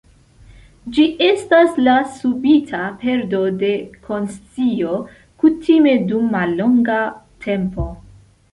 Ĝi estas la subita perdo de konscio, kutime dum mallonga tempo.